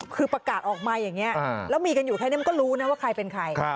คือประกาศออกมาอย่างนี้แล้วมีกันอยู่แค่นี้มันก็รู้นะว่าใครเป็นใคร